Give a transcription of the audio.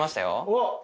おっ！